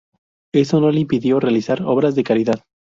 Eso no le impidió realizar obras de caridad.